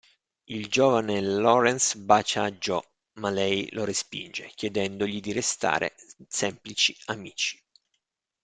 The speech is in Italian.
Il giovane Laurence bacia Jo, ma lei lo respinge, chiedendogli di restare semplici amici.